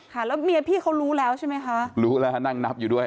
ค่ะแล้วเมียพี่เขารู้แล้วใช่ไหมคะรู้แล้วนั่งนับอยู่ด้วย